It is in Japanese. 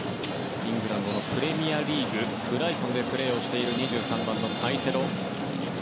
イングランドのプレミアリーグブライトンでプレーしている２３番、カイセド。